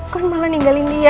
kan malah tinggalin dia